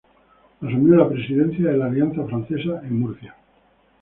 Asumió la presidencia de la Alianza Francesa en Murcia.